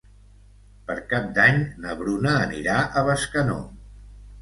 Per Cap d'Any na Bruna anirà a Bescanó.